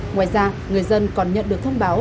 ngoài ra người dân còn nhận được thông báo